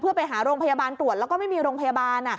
เพื่อไปหาโรงพยาบาลตรวจแล้วก็ไม่มีโรงพยาบาล